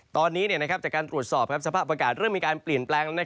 ตอนนี้จากการตรวจสอบสภาพอากาศเริ่มมีการเปลี่ยนแปลง